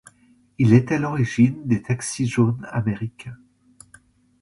Il est à l'origine des taxis jaunes américains.